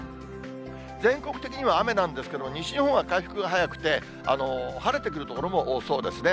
全国的には雨なんですけども西日本は回復が早くて、晴れてくるところも多そうですね。